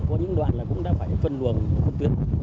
có những đoạn là cũng đã phải phân luồng